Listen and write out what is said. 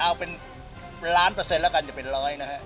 เอาเป็นล้านเปอร์เซ็นต์ก็รายการเป็นร้อยนะฮะ